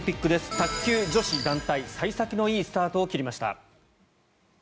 卓球女子団体幸先のよいスタートを切りました。